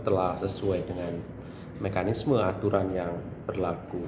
telah sesuai dengan mekanisme aturan yang berlaku